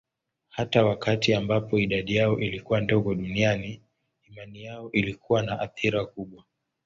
Hata wakati ambapo idadi yao ilikuwa ndogo duniani, imani yao ilikuwa na athira kubwa.